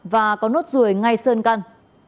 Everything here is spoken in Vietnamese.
và có nốt ruồi ngay sơn căn